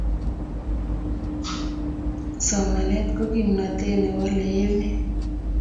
somanet ko kimnatet newalei emet